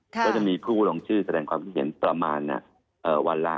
ก็จะมีผู้ลงชื่อแสดงความคิดเห็นประมาณวันละ